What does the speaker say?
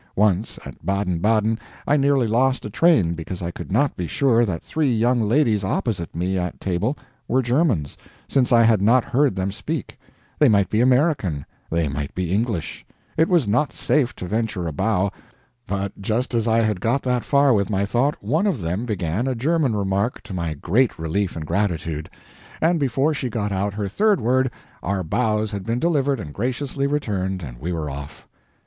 Once at Baden Baden I nearly lost a train because I could not be sure that three young ladies opposite me at table were Germans, since I had not heard them speak; they might be American, they might be English, it was not safe to venture a bow; but just as I had got that far with my thought, one of them began a German remark, to my great relief and gratitude; and before she got out her third word, our bows had been delivered and graciously returned, and we were off.